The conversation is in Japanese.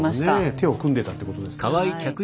手を組んでたってことですね。